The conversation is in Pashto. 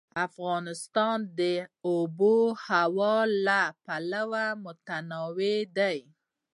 افغانستان د آب وهوا له پلوه متنوع دی.